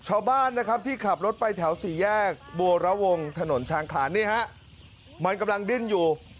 ชาวบ้านที่ขับรถไปแถว๔แยกบัวระวงถนนชางขามันกำลังดิ้นอยู่